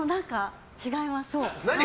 違います。